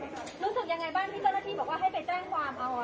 รู้สึกยังไงบ้างพี่เบอร์นาทีบอกว่าให้ไปแจ้งความเอาอะค่ะ